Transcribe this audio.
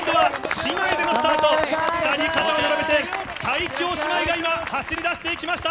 ２人で肩を並べて、最強姉妹が今、走りだしていきました。